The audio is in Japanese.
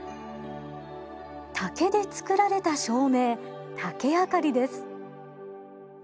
竹で作られた照明竹あかりです。